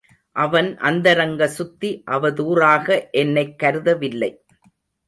அவன் அந்தரங்க சுத்தி அவதூறாக என்னைக் கருதவில்லை.